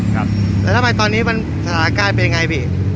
ครับแล้วทำไมตอนนี้มันสถานการณ์เป็นยังไงพี่